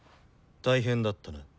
大変だったな。